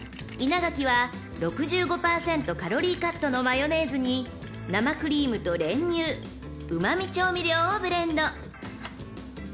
［稲垣は６５％カロリーカットのマヨネーズに生クリームと練乳うま味調味料をブレンド］